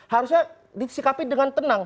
harusnya disikapi dengan tenang